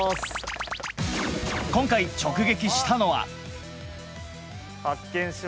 今回直撃したのは。